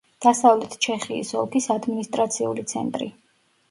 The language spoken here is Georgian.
დასავლეთ ჩეხიის ოლქის ადმინისტრაციული ცენტრი.